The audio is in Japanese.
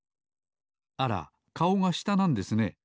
あらかおがしたなんですね。